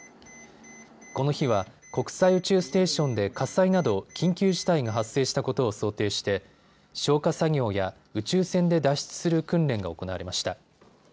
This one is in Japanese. この日は国際宇宙ステーションで火災など緊急事態が発生したことを想定して消火作業や宇宙船で脱出する訓練が行われました。